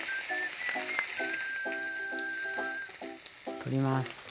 取ります。